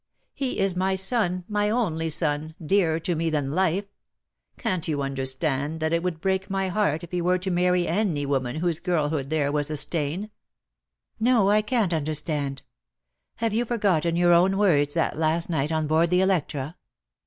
He is my son, my only son, dearer to me than life. Can't you understand that it would break my heart if he were to marry any woman upon whose girlhood there was a stain?" i ••■,■■■■,...•■; "No, I can't understand. Have you forgotten your own words that last night on board the Electra?